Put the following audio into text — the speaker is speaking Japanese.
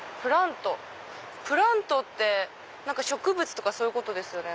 プラントって植物とかそういうことですよね。